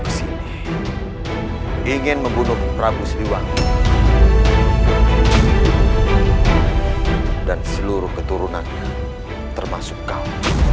keturunannya termasuk kau